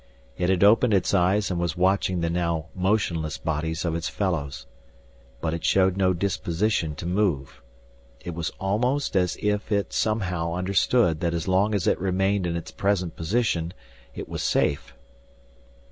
It had opened its eyes and was watching the now motionless bodies of its fellows. But it showed no disposition to move. It was almost as if it somehow understood that as long as it remained in its present position it was safe.